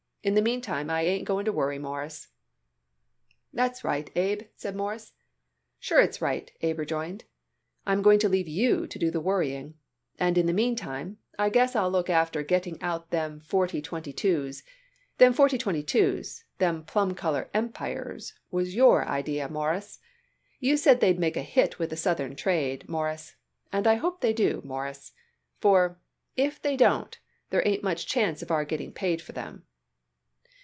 In the meantime I ain't going to worry, Mawruss." "That's right, Abe," said Morris. "Sure it's right," Abe rejoined. "I'm going to leave you to do the worrying, and in the meantime I guess I'll look after getting out them forty twenty two's. Them forty twenty two's them plum color Empires was your idee, Mawruss. You said they'd make a hit with the Southern trade, Mawruss, and I hope they do, Mawruss, for, if they don't, there ain't much chance of our getting paid for them."